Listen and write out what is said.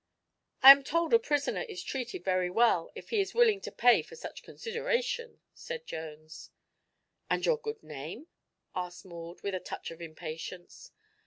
"I am told a prisoner is treated very well, if he is willing to pay for such consideration," said Jones. "And your good name?" asked Maud, with a touch of impatience.